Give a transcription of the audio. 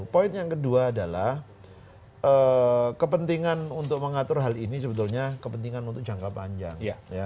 poin yang kedua adalah kepentingan untuk mengatur hal ini sebetulnya kepentingan untuk jangka panjang